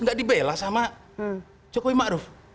gak dibela sama jokowi ma'ruf